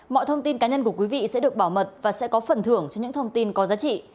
mọi thông tin cá nhân của quý vị sẽ được bảo mật và sẽ có phần thưởng cho những thông tin có giá trị